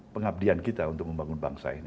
pengabdian kita untuk membangun bangsa ini